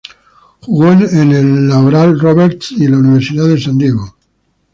Jugó en la Oral Roberts y en la Universidad de San Diego.